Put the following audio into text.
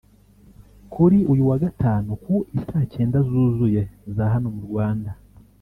Kuri uyu wa gatanu ku i Saa cyenda zuzuye za hano mu Rwanda